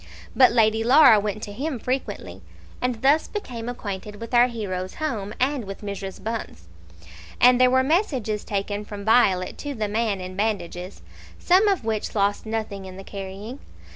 But Lady Laura went to him frequently, and thus became acquainted with our hero's home and with Mrs. Bunce. And there were messages taken from Violet to the man in bandages, some of which lost nothing in the carrying.